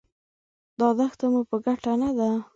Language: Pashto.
دا دښته مو په ګټه نه ده.